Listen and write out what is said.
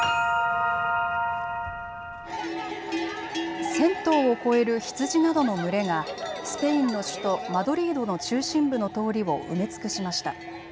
１０００頭を超える羊などの群れがスペインの首都マドリードの中心部の通りを埋め尽くしました。